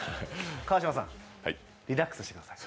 川島さん、リラックスしてください。